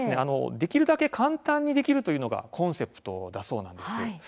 できるだけ簡単にできるというのがコンセプトだそうなんです。